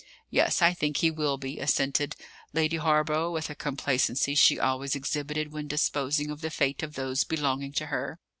"Yes; I think he will be," assented Lady Hawborough, with a complacency she always exhibited when disposing of the fate of those belonging to her.